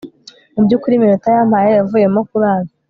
mubyukuri iminota yampaye yavuyemo kurara